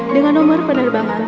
dengan nomor penerbangan